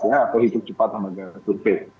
atau hitung cepat lembaga survei